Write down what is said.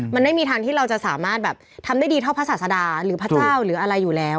มันไม่มีทางที่เราจะสามารถแบบทำได้ดีเท่าพระศาสดาหรือพระเจ้าหรืออะไรอยู่แล้ว